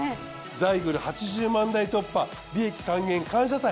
ザイグル８０万台突破利益還元感謝祭。